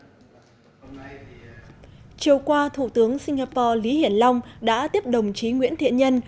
chiều qua thủ tướng singapore lý hiển long đã tiếp đồng chí nguyễn thiện nhân